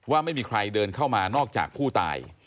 ว่าไม่มีใครเดินเข้ามานอกจากผู้ตาย